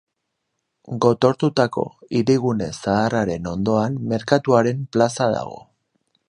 Gotortutako hirigune zaharraren ondoan Merkatuaren Plaza dago.